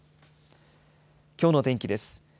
きょうの天気です。